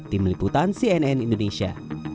tim liputan cnn indonesia